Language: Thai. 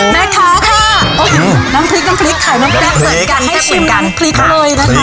แม็กซ์ค้าค่ะน้ำพริกน้ำพริกไข่น้ำแป๊บเสร็จกันให้ชิมน้ำพริกเลยนะคะ